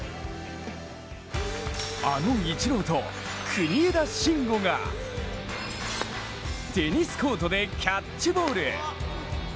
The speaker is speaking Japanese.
あのイチローと国枝慎吾がテニスコートでキャッチボール。